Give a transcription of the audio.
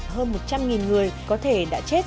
hơn một trăm linh người có thể đã chết